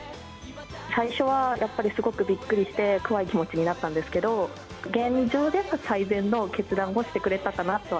最初はやっぱりすごくびっくりして怖い気持ちになったんですけど、現状ですと、最善の決断をしてくれたかなとは。